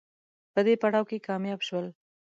په دې پړاو کې کامیاب شول